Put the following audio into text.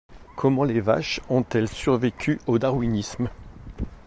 Comment les vaches ont-elles survécu au Darwinisme?